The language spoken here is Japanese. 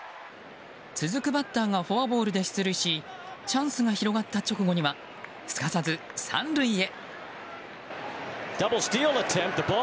続くバッターがフォアボールで出塁しチャンスが広がった直後にはすかさず３塁へ。